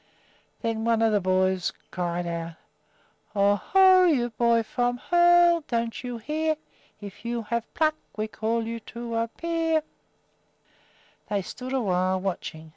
Then one of the boys cried out: Oh, ho! you boy from Hoel, don't you hear? If you have pluck, we call you to appear! They stood awhile, watching.